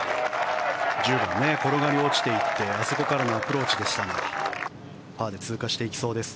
１０番転がり落ちていってあそこからのアプローチでしたがパーで通過していきそうです。